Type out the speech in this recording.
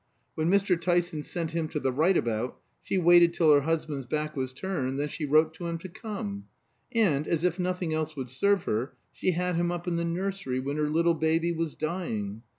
When Mr. Tyson sent him to the right about, she waited till her husband's back was turned, then she wrote to him to come. And, as if nothing else would serve her, she had him up in the nursery when her little baby was dying.